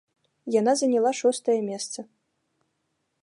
Яна заняла шостае месца.